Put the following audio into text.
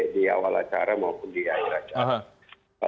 di awal acara maupun di akhir acara